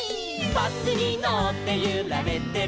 「バスにのってゆられてる」